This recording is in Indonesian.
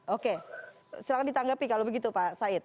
oke silahkan ditanggapi kalau begitu pak said